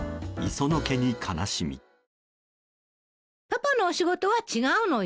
パパのお仕事は違うのよ。